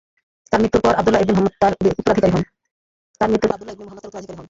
তার মৃত্যুর পর আবদুল্লাহ ইবনে মুহাম্মদ তার উত্তরাধিকারী হন।